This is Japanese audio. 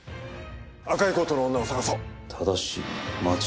赤いコートの女を捜すぞ。